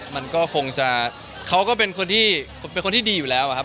มันก็คงจะเขาก็เป็นคนที่ดีอยู่แล้วครับ